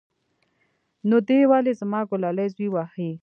نو دى ولې زما گلالى زوى وهي.